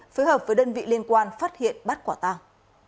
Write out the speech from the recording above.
phối hợp với đơn vị liên quan phát hiện bắt quả tàng